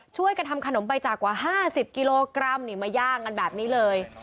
ช่วยกันทำขนมใบจากกว่า๕๐กิโลกรัมนี่มาย่างกันแบบนี้เลย